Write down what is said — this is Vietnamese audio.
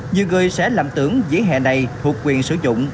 nhiều người sẽ lầm tưởng dĩa hẹ này thuộc quyền sử dụng